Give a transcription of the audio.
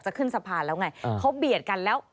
ขึ้นสะพานแล้วไงเขาเบียดกันแล้ว